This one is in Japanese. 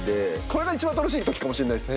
これが一番楽しい時かもしれないです。